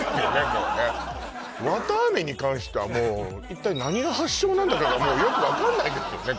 もうねわたあめに関してはもう一体何が発祥なんだかがもうよく分かんないですよね